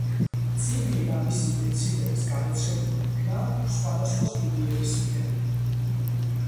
წიგნი და მისი პრინციპების გამოცემული იქნა სხვადასხვა სტუდიების მიერ.